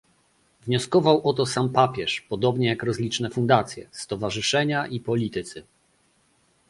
Wnioskował o to sam papież, podobnie jak rozliczne fundacje, stowarzyszenia i politycy